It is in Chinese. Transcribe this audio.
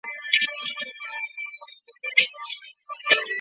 不同的职位对候选人均有最低年龄的限制。